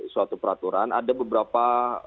suatu peraturan ada beberapa